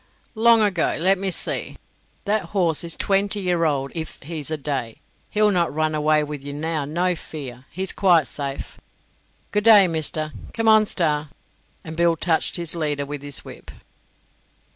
"Long ago? Let me see. That horse is twenty year old if he's a day. He'll not run away with you now; no fear; he's quite safe. Good day, Mister. Come on, Star;" and Bill touched his leader with his whip.